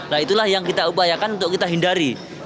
nah itulah yang kita upayakan untuk kita hindari